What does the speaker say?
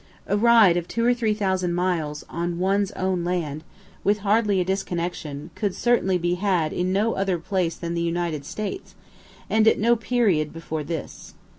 A ride of two or three thousand miles, "on one's own land," with hardly a disconnection, could certainly be had in no other place than the United States, and at no period before this.